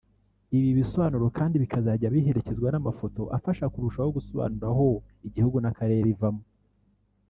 Ibi bisobanuro kandi bikazajya biherekezwa n’amafoto afasha kurushaho gusobanura aho igihugu n’akarere ivamo